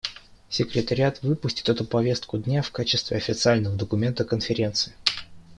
Секретариат выпустит эту повестку дня в качестве официального документа Конференции.